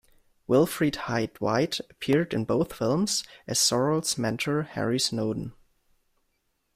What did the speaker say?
Wilfrid Hyde-White appeared in both films as Sorrell's mentor, Harry Snowden.